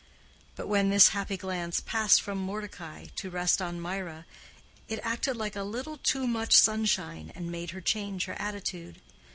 But when this happy glance passed from Mordecai to rest on Mirah, it acted like a little too much sunshine, and made her change her attitude.